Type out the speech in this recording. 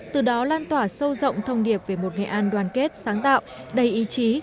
từ đó lan tỏa sâu rộng thông điệp về một nghệ an đoàn kết sáng tạo đầy ý chí